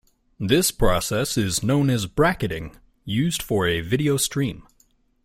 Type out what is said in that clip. This process is known as bracketing used for a video stream.